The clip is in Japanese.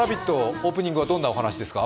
オープニングはどんな話題ですか？